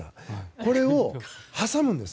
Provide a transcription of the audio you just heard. これを挟むんです。